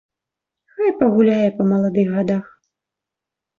Хай пагуляе па маладых гадах.